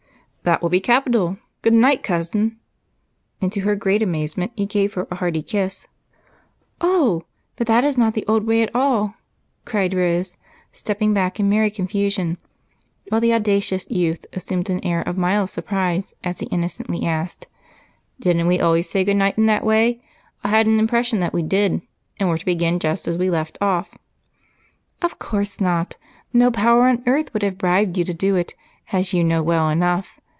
"That will be capital. Good night, Cousin," and to her great amazement, he gave her a hearty kiss. "Oh, but that is not the old way at all!" cried Rose, stepping back in merry confusion while the audacious youth assumed an air of mild surprise as he innocently asked: "Didn't we always say good night in that way? I had an impression that we did and were to begin just as we left off." "Of course not. No power on earth would have bribed you to do it, as you know well enough.